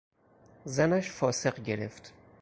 زنش فاسق گرفت.